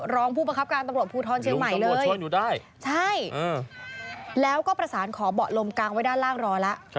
รองผู้ประคับการตำรวจภูทรเชียงใหม่เลยใช่แล้วก็ประสานขอเบาะลมกางไว้ด้านล่างรอแล้ว